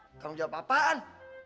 tanggung jawab apaan